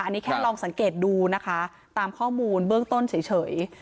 อันนี้แค่ลองสังเกตดูนะคะตามข้อมูลเบื้องต้นเฉย